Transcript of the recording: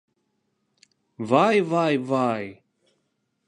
Vai, vai, vai!